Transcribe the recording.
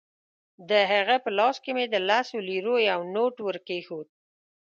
د هغه په لاس کې مې د لسو لیرو یو نوټ ورکېښود.